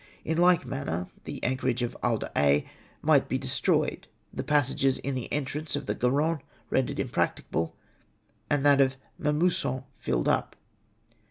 In like manner the anchorage of He d' Aix might be destroyed — the passages in the entrance of the Garonne rendered impracticable — and that of Mamusson filled up.